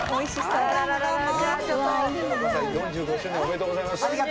ありがとうございます。